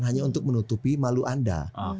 hanya untuk menutupi malu anda